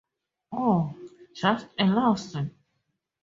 Oh, just a lassie.